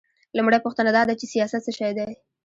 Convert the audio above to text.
لومړۍ پوښتنه دا ده چې سیاست څه شی دی؟